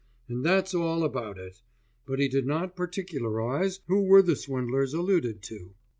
and that's all about it, but he did not particularise who were the swindlers alluded to.